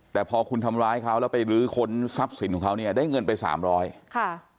แต่พอคุณทำร้ายเขาแล้วไปลื้อค้นทรัพย์สินของเขาเนี่ยได้เงินไปสามร้อยค่ะ